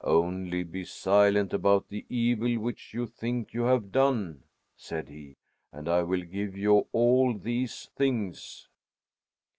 "Only be silent about the evil which you think you have done," said he, "and I will give you all these things."